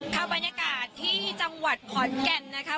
บรรยากาศที่จังหวัดขอนแก่นนะคะ